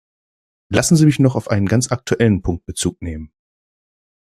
Lassen Sie mich noch auf einen ganz aktuellen Punkt Bezug nehmen.